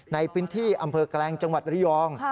ในพื้นที่อำเภอแกลงจังหวัดระยอง